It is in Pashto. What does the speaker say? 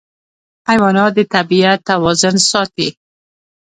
حیوانات د طبیعت توازن ساتي.